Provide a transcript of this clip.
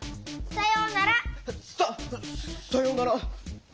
さようなら。